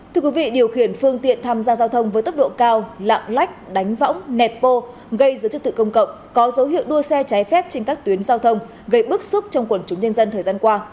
thưa quý vị điều khiển phương tiện tham gia giao thông với tốc độ cao lạng lách đánh võng nẹp bô gây giữa chức tự công cộng có dấu hiệu đua xe trái phép trên các tuyến giao thông gây bức xúc trong quần chúng nhân dân thời gian qua